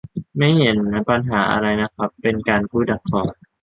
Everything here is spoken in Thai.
ไม่เห็นปัญหาอะไรนะครับ เป็นการพูดดักคอ